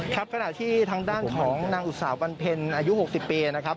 ขณะที่ทางด้านของนางอุตสาหวันเพ็ญอายุ๖๐ปีนะครับ